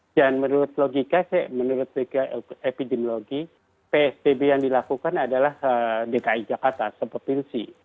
dan menurut logika menurut epidemiologi psbb yang dilakukan adalah dki jakarta seperti ini